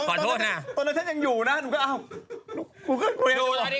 ตอนนั้นฉันยังอยู่นะหาผมก็